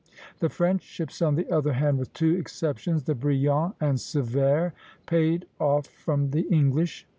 The French ships, on the other hand, with two exceptions, the "Brilliant" (a) and "Sévère" (b), paid off from the English.